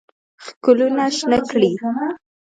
ښکلونه شنه کړي